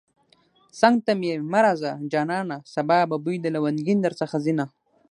څنگ ته مې مه راځه جانانه سبا به بوی د لونگين درڅخه ځينه